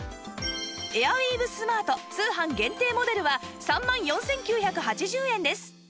エアウィーヴスマート通販限定モデルは３万４９８０円です